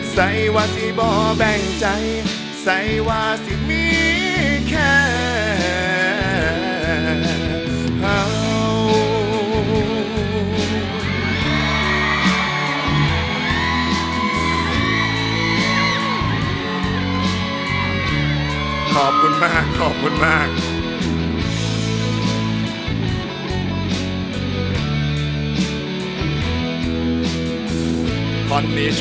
ใส่ว่าสี่บ่แบ่งใจใส่ว่าสี่มีแค่